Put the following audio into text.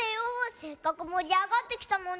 せっかくもりあがってきたのに。